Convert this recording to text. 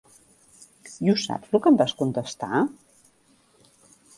I ho saps lo que em vas contestar?